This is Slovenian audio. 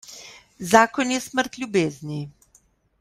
Zakon je smrt ljubezni.